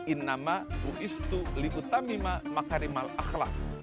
in nama uistu li utamima makarimal akhlak